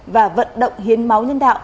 và vận động hiến máu nhân đạo